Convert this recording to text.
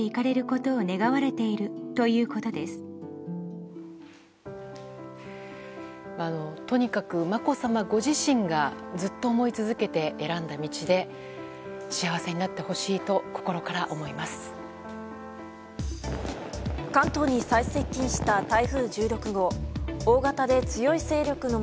とにかく、まこさまご自身がずっと思い続けて選んだ道で幸せになってほしいと心から思います。